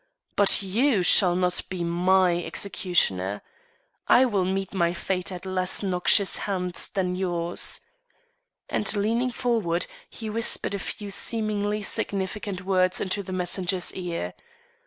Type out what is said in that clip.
But you shall not be my executioner. I will meet my fate at less noxious hands than yours." And, leaning forward, he whispered a few seemingly significant words into the messenger's ear.